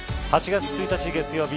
８月１日、月曜日